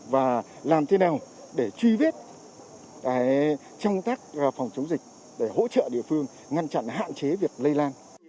và làm thế nào để truy vết trong tác phòng chống dịch để hỗ trợ địa phương ngăn chặn hạn chế việc lây lan